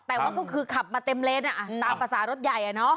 แต่ว่าคือขับมาเต็มเลนน์น่ะตามภาษารถใหญ่เนาะ